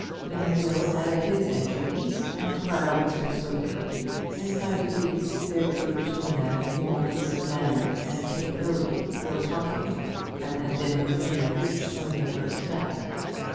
Then Will added his entreaties, and Clara was persuaded, and by degrees there grew between them more ease of manner and capability for talking than had been within their reach when they first met.